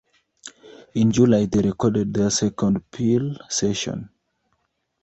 In July they recorded their second Peel session.